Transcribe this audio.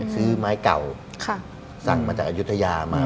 ซื้อไม้เก่าสั่งมาจากอายุทยามา